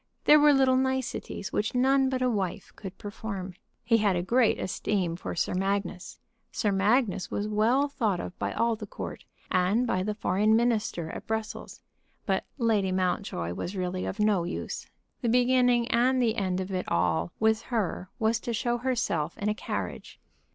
There were little niceties which none but a wife could perform. He had a great esteem for Sir Magnus. Sir Magnus was well thought of by all the court, and by the foreign minister at Brussels. But Lady Mountjoy was really of no use. The beginning and the end of it all with her was to show herself in a carriage.